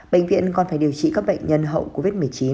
bệnh viện còn phải điều trị các bệnh nhân hậu covid một mươi chín